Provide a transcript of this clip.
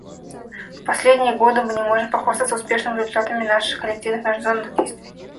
В последние годы мы не можем похвастаться успешными результатами наших коллективных международных действий.